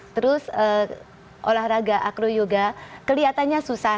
terus olahraga acroyoga kelihatannya susah